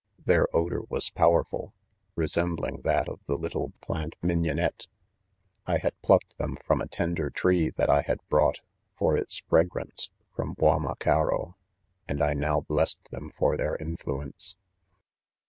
Their odour was powerful, resem bling that of the little plant mignionette ; I had plucked them from a : tender tree that I had brought, for its fragrance, from Guamacaro ; and 1 now blest them for their influence.